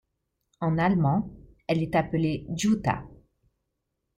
En allemand elle est appelée Jutta.